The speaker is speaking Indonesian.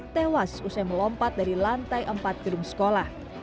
tewas usai melompat dari lantai empat gedung sekolah